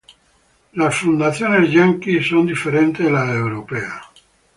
Las fundaciones estadounidenses son diferentes de las europeas.